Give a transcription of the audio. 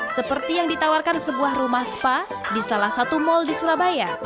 seperti yang ditawarkan sebuah rumah spa di salah satu mal di surabaya